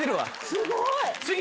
すごい！